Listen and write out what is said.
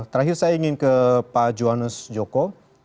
terakhir saya ingin ke pak johannes joko